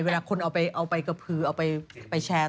เวลาคนเอาไปกระพือเอาไปแชร์